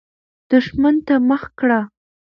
دښمن ته مخه کړه.